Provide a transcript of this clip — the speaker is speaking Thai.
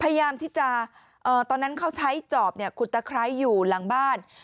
พยายามที่จะตอนนั้นเขาใช้จอบขุดตะไคร้อยู่หลังบ้าน